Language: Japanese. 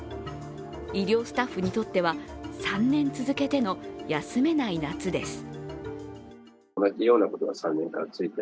医療スタッフにとっては３年続けての休めない夏です。